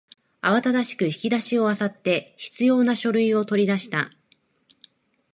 慌ただしく引き出しを漁って必要な書類を取り出した